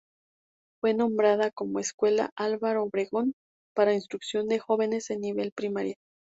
Fue nombrada como Escuela Álvaro Obregón para instrucción de jóvenes en nivel primaria.